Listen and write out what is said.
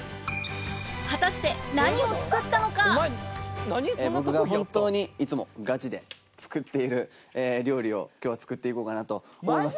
果たして僕が本当にいつもガチで作っている料理を今日は作っていこうかなと思います。